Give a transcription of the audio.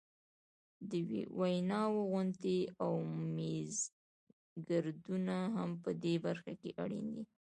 د ویناوو غونډې او میزګردونه هم په دې برخه کې اړین دي.